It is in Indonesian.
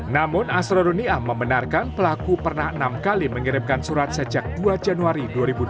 namun asroruniam membenarkan pelaku pernah enam kali mengirimkan surat sejak dua januari dua ribu dua puluh